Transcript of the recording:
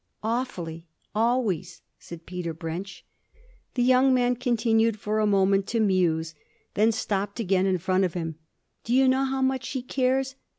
'Awfully. Always,' said Peter Brench. The young man continued for a moment to muse then stopped again in front of him. 'Do you know how much she cares?'